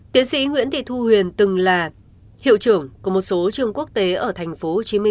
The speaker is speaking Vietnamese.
tiến sĩ nguyễn thị thu huyền từng là hiệu trưởng của một số trường quốc tế ở tp hcm